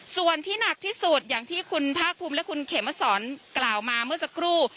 ส่วนที่หนักที่สุดอย่างที่คุณภาคภูมิและคุณเขมสอนกล่าวมาเมื่อสักครู่